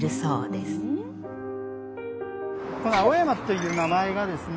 この青山っていう名前がですね